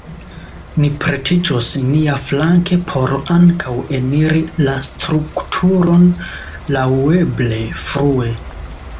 Ni pretiĝos niaflanke por ankaŭ eniri la strukturon laŭeble frue.